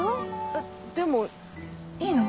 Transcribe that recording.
えっでもいいの？